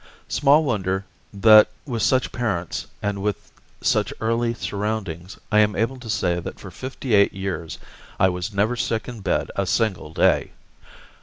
Small wonder that with such parents and with such early surroundings I am able to say that for fifty eight years I was never sick in bed a single day.